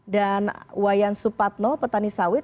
dan wayan supatno petani sawit